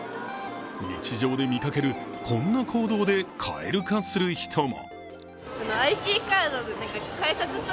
日常で見かける、こんな行動で蛙化する人も。